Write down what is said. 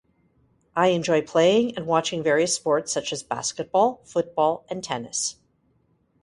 I enjoy playing and watching various sports such as basketball, football, and tennis.